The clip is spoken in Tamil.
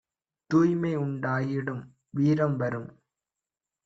தூய்மை யுண்டாகிடும், வீரம் வரும்."